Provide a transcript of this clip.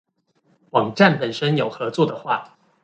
網站本身有合作的話